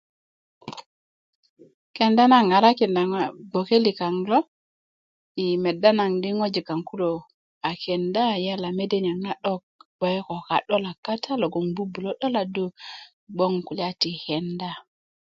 kenda na ŋarakinda bgoke likaŋ lo i meda naŋ di ŋojik kaŋ kulo a kenda yala mede niyaŋ na 'dok bge ko ka'dolak kata logon bubulö 'doladu kobgoŋ kuly ti kenda